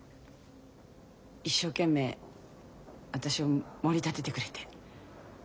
一生懸命私をもり立ててくれて。